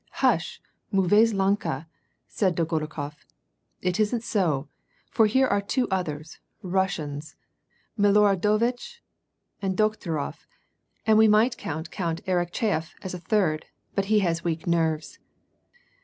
" Hush, viauvaise languel'^ said Dolgorukof, — "It isn't so, for here are two others, Russians, Miloradovitch and Dokh turof, and we might count Count Arakcheyef as a third, but he has weak nerves."